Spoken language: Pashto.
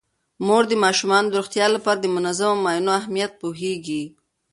مور د ماشومانو د روغتیا لپاره د منظمو معاینو اهمیت پوهیږي.